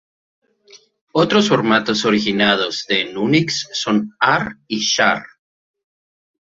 Otros formatos originados en Unix son ar y shar.